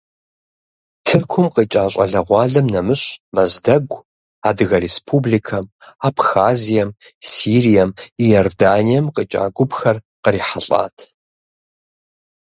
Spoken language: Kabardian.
Тыркум къикӏа щӏалэгъуалэм нэмыщӏ Мэздэгу, Адыгэ республикэм, Абхазием, Сирием, Иорданием къикӏа гупхэри кърихьэлӏат.